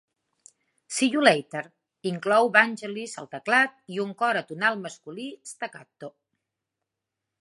"See You Later" inclou Vangelis al teclat i un cor atonal masculí staccato.